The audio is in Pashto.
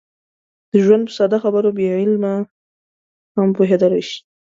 د ژوند په ساده خبرو بې علمه هم پوهېدلی شي.